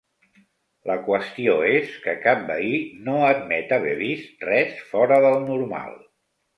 La qüestió és que cap veí no admet haver vist res fora del normal.